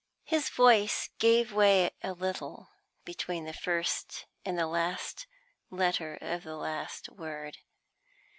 His voice gave way a little between the first and the last letter of the last word.